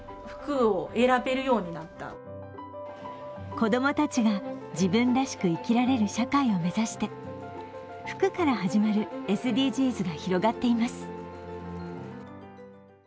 子供たちが自分らしく生きられる社会を目指して、服から始まるＳＤＧｓが広がっています。